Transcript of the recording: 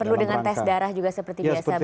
perlu dengan tes darah juga seperti biasa